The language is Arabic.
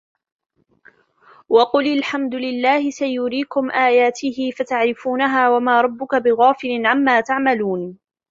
وَقُلِ الحَمدُ لِلَّهِ سَيُريكُم آياتِهِ فَتَعرِفونَها وَما رَبُّكَ بِغافِلٍ عَمّا تَعمَلونَ